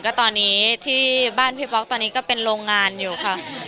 ก็ตอนนี้ที่บ้านพี่ป๊อกตอนนี้ก็เป็นโรงงานอยู่ค่ะ